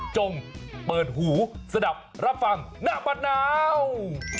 จงเปิดหูสนับรับฟังณปะนาว